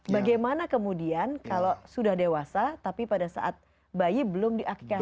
bagaimana kemudian kalau sudah dewasa tapi pada saat bayi belum diakikali